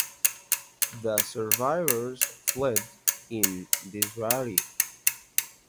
The survivors fled in disarray.